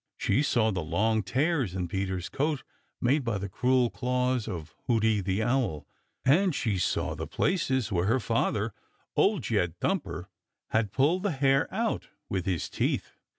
She saw the long tears in Peter's coat, made by the cruel claws of Hooty the Owl, and she saw the places where her father, Old Jed Thumper, had pulled the hair out with his teeth.